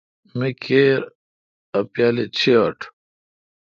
می کیر اؘ پیالہ چیں اوٹ۔